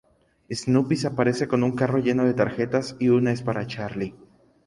Snoopy se aparece con un carro lleno de tarjetas, y una es para Charlie.